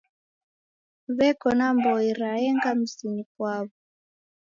W'eko na mboi raenga mzinyi pwaw'o.